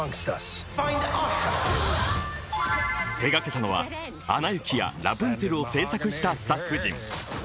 手がけたのは「アナ雪」や「ラプンツェル」を制作したスタッフ陣。